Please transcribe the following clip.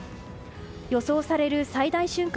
予想される最大瞬間